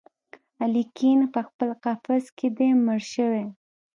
الیکین پخپل قفس کي دی مړ شوی